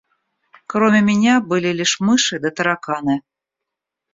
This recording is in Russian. Кроме меня были лишь мыши да тараканы.